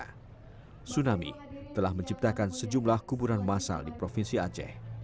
tsunami telah menciptakan sejumlah kuburan masal di provinsi aceh